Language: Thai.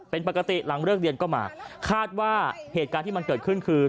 เป็นปกติหลังเลิกเรียนก็มาคาดว่าเหตุการณ์ที่มันเกิดขึ้นคือ